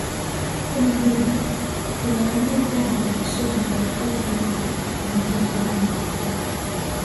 Kama vile kugharimia ada za masomo ya watoto wao na mahitaji mengine